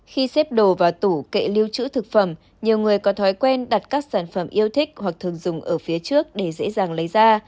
khi xếp đồ vào tủ kệ lưu trữ thực phẩm nhiều người có thói quen đặt các sản phẩm yêu thích hoặc thường dùng ở phía trước để dễ dàng lấy ra